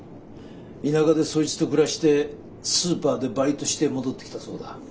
田舎でそいつと暮らしてスーパーでバイトして戻ってきたそうだ。